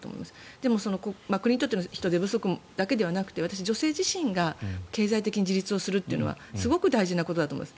でも、国にとっての人手不足だけじゃなくて女性自身が経済的に自立することはすごく大事なことだと思います。